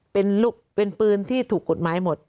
เป็นปืนที่ถูกกฎหมายหมด